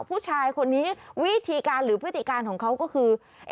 ผู้ชายคนนี้วิธีการหรือพฤติการของเขาก็คือ